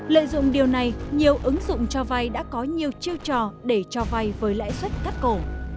lợi dụng điều này nhiều ứng dụng cho vay đã có nhiều chiêu trò để cho vay với lãi suất cắt cổ